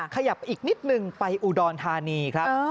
ขยับอีกนิดนึงไปอุดรธานีครับ